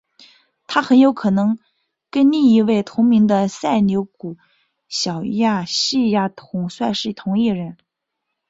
他很有可能跟另一位同名的塞琉古小亚细亚统帅是同一人。